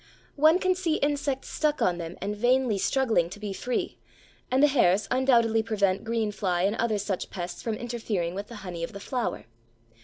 One can see insects stuck on them and vainly struggling to be free, and the hairs undoubtedly prevent green fly and other such pests from interfering with the honey of the flower.